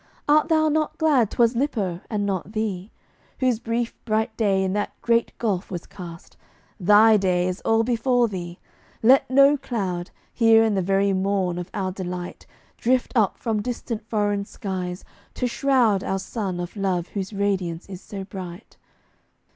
Art thou not glad 'twas Lippo, and not thee, Whose brief bright day in that great gulf was cast. Thy day is all before thee. Let no cloud, Here in the very morn of our delight, Drift up from distant foreign skies, to shroud Our sun of love whose radiance is so bright.